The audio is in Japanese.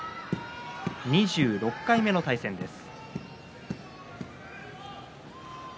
２６回目の対戦です。